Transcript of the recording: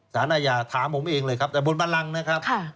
สารอาญาถามผมเองเลยครับแต่บนบันลังนะครับ